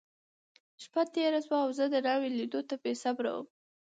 شپه تېره شوه، او زه د ناوې لیدو ته بېصبره وم.